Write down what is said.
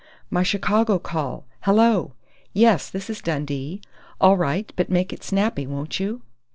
"My Chicago call!... Hello!... Yes, this is Dundee.... All right, but make it snappy, won't you?...